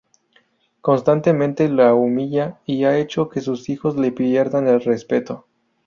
Constantemente la humilla y ha hecho que sus hijos le pierdan el respeto.